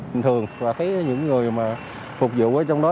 mình thường và thấy những người mà phục vụ ở trong đó